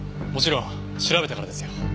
もちろん調べたからですよ。